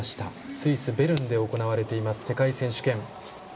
スイスのベルンで行われている世界選手権。